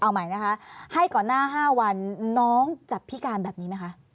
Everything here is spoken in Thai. เอาใหม่นะคะให้ก่อนหน้า๕วันน้องจับพิการแบบนี้ไหมคะ